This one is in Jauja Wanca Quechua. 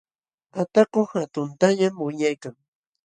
Ataku hatuntañam wiñaykan.